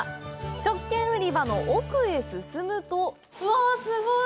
食券売り場の奥へ進むとうわ、すごい。